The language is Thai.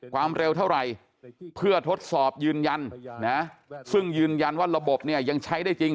ความเร็วเท่าไหร่เพื่อทดสอบยืนยันนะซึ่งยืนยันว่าระบบเนี่ยยังใช้ได้จริง